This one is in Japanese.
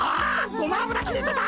ごま油切れてた！